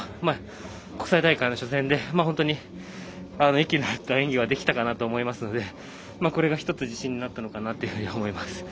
国際大会の初戦で息の合った演技ができたかなと思いますのでこれが１つ自信になったのかなと思います。